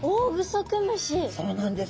そうなんです。